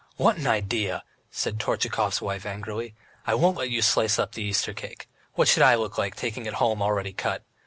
"What an idea," said Tortchakov's wife angrily. "I won't let you slice up the Easter cake! What should I look like, taking it home already cut!